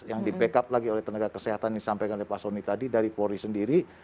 yang di backup lagi oleh tenaga kesehatan yang disampaikan oleh pak soni tadi dari polri sendiri